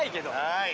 はい。